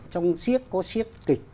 trong siếc có siếc kịch